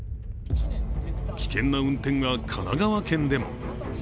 危険な運転は神奈川県でも。